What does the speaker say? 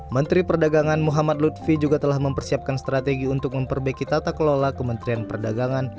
menteri perdagangan muhammad lutfi juga telah mempersiapkan strategi untuk memperbaiki tata kelola kementerian perdagangan